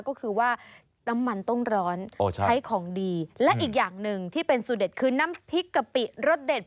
ก็คือว่าน้ำมันต้องร้อนใช้ของดีและอีกอย่างหนึ่งที่เป็นสูตรเด็ดคือน้ำพริกกะปิรสเด็ด